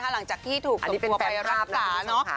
หลังจากที่ถูกตัวไปรับกราชา